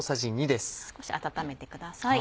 少し温めてください。